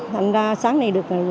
thành ra sáng nay được